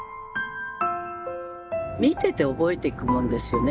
見てて覚えていくもんですよね。